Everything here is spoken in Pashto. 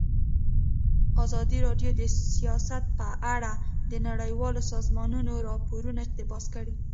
ازادي راډیو د سیاست په اړه د نړیوالو سازمانونو راپورونه اقتباس کړي.